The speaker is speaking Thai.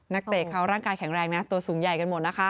เตะเขาร่างกายแข็งแรงนะตัวสูงใหญ่กันหมดนะคะ